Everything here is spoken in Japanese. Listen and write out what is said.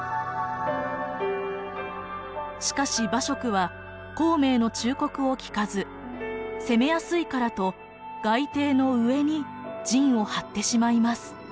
しかし馬謖は孔明の忠告を聞かず攻めやすいからと街亭の上に陣を張ってしまいます。